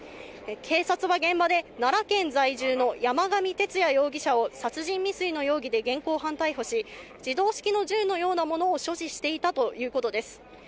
警察は現場で奈良県在住の山上徹也容疑者を殺人未遂の容疑で現行犯逮捕し、自動式の銃のようなものを所持していたということです。